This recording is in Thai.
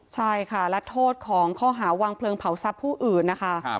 ใช่ค่ะและโทษของข้อหาวางเพลิงเผาทรัพย์ผู้อื่นนะคะ